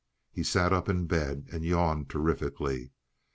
He sat up in bed and yawned terrifically.